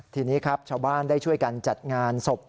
ทีนี้ครับชาวบ้านได้ช่วยกันจัดงานศพ